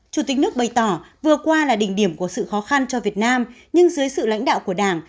chủ tịch nước bày tỏ vừa qua là đỉnh điểm của sự khó khăn cho việt nam nhưng dưới sự lãnh đạo của đảng